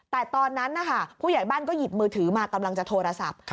แต่ตอนนั้นนะคะผู้ใหญ่บ้านก็หยิบมือถือมากำลังจะโทรศัพท์